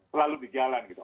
selalu di jalan gitu